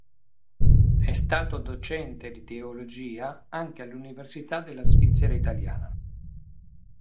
È stato docente di teologia anche all'Università della Svizzera Italiana.